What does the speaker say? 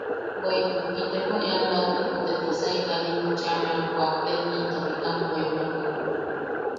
Bweʼituk itepo ian lautipo te Tosai Karimpo cheʼa naj kuakte into Bikam Puepplopo.